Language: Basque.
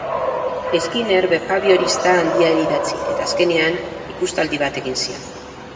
Skinner behaviorista handiari idatzi, eta azkenean ikustaldi bat egin zion.